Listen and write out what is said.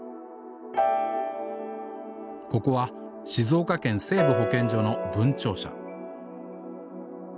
ここは静岡県西部保健所の分庁舎